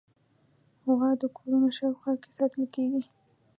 غوا د کورونو شاوخوا کې ساتل کېږي.